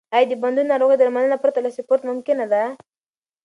آیا د بندونو ناروغي درملنه پرته له سپورت ممکنه ده؟